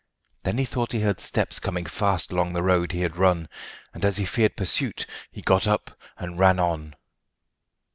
Then he thought he heard steps coming fast along the road he had run, and as he feared pursuit, he got up and ran on.